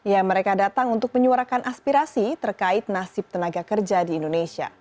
ya mereka datang untuk menyuarakan aspirasi terkait nasib tenaga kerja di indonesia